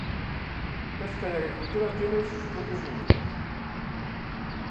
Pesca y Agricultura tiene sus propios límites.